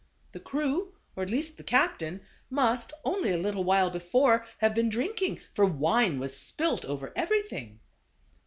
The crew, or at least the captain, must, only a little while before, have been drink ing ; for wine was spilt over everything.